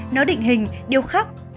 nó định hình điều khác